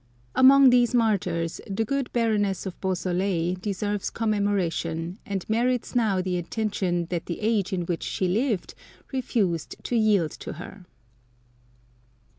Among these martyrs the good Baroness of Beau IS3 Curiosities of Olden Times soleil deserves commemoration, and merits now the attention that the age in which she Uved refused to yield to her.